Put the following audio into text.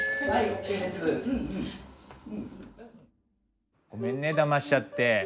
ごめんねだましちゃって。